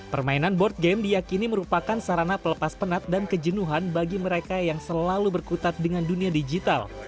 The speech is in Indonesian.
permainan board game diakini merupakan sarana pelepas penat dan kejenuhan bagi mereka yang selalu berkutat dengan dunia digital